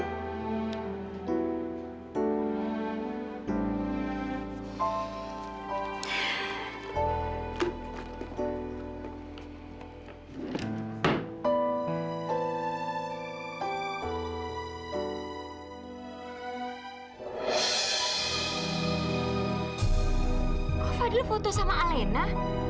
kok fadil foto sama alena